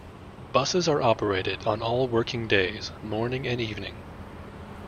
Buses are operated on all working days, morning and evening.